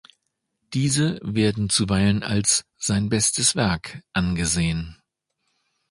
Diese werden zuweilen als „sein bestes Werk“ angesehen.